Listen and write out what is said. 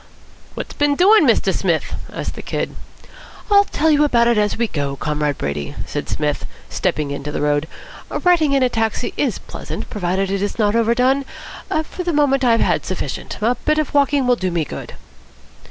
"What's been doin', Mr. Smith?" asked the Kid. "I'll tell you about it as we go, Comrade Brady," said Psmith, stepping into the road. "Riding in a taxi is pleasant provided it is not overdone. For the moment I have had sufficient. A bit of walking will do me good."